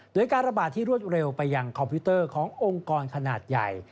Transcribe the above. โดยการระบาดที่รวดเร็วไปยังคอมพิวเตอร์ขององค์กรขนาดใหญ่